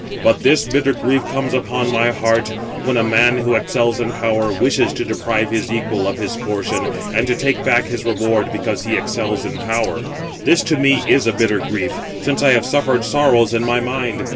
But this bitter grief comes upon my heart and soul, when a man who excels in power, wishes to deprive his equal 511 of his portion, and to take back his reward because he excels in power." Footnote 511: (return) I.e. in dignity. "This to me is a bitter grief, since I have suffered sorrows in my mind.